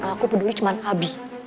aku peduli cuma abi